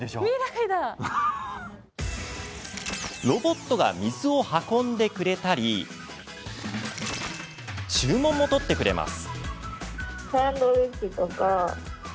ロボットが水を運んでくれたり注文も取ってくれます。